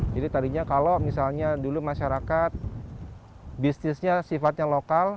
tadinya kalau misalnya dulu masyarakat bisnisnya sifatnya lokal